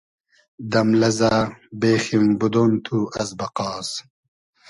دئم لئزۂ بېخیم بودۉن تو از بئقاس